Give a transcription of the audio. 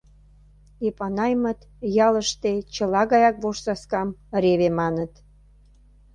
Эпанаймыт ялыште чыла гаяк вожсаскам реве маныт.